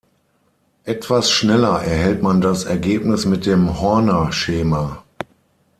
Etwas schneller erhält man das Ergebnis mit dem Horner-Schema.